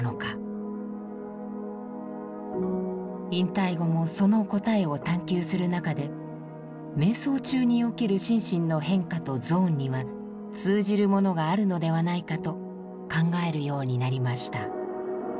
引退後もその答えを探求する中で瞑想中に起きる心身の変化とゾーンには通じるものがあるのではないかと考えるようになりました。